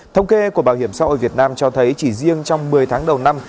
thông kê của bảo hiểm xã hội việt nam cho thấy chỉ riêng trong một mươi tháng đầu năm